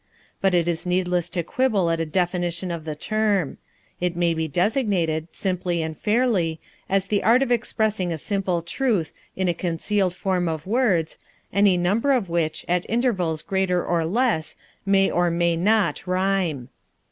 But it is needless to quibble at a definition of the term. It may be designated, simply and fairly, as the art of expressing a simple truth in a concealed form of words, any number of which, at intervals greater or less, may or may not rhyme.